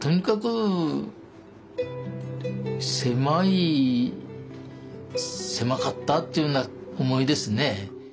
とにかく狭い狭かったっていうような思いですね。